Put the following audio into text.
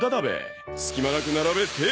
隙間なく並べて。